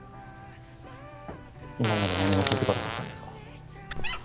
今まで何も気づかなかったんですか？